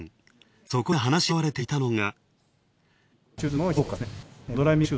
そこで話し合われていたのが。